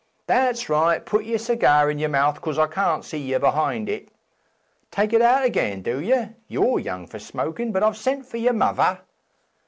.. that's right, put yer cigar in yer mouth 'cos I can't see yer be'ind it ... take it out again, do yer ! you're young for smokin', but I've sent for yer mother.